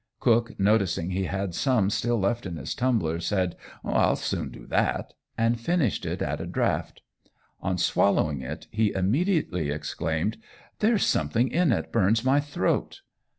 Cook, noticing he had some still left in his tumbler, said, "I'll soon do that," and finished it at a draught. On swallowing it he immediately exclaimed, "There's something in it burns my throat."